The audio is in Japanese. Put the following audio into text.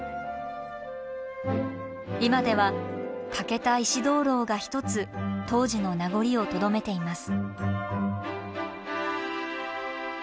今では欠けた石灯籠が一つ当時の名残をとどめています。